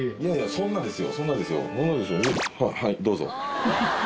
そんなですよ